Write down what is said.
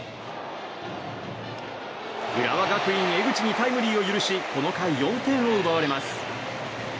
浦和学院、江口にタイムリーを許しこの回、４点を奪われます。